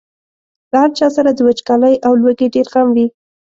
له هر چا سره د وچکالۍ او لوږې ډېر غم و.